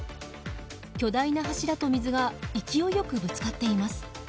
巨大な柱と水が勢いよくぶつかっています。